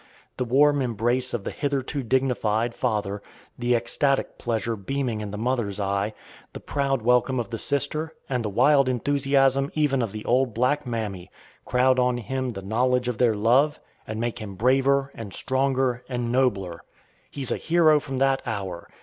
The warm embrace of the hitherto dignified father, the ecstatic pleasure beaming in the mother's eye, the proud welcome of the sister, and the wild enthusiasm even of the old black mammy, crowd on him the knowledge of their love, and make him braver, and stronger, and nobler. He's a hero from that hour!